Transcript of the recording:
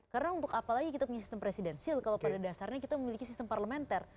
karena untuk apalagi kita punya sistem presidensil kalau pada dasarnya kita memiliki sistem parlementer